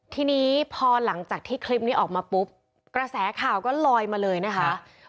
ทีนี้พอหลังจากที่คลิปนี้ออกมาปุ๊บกระแสข่าวก็ลอยมาเลยนะคะ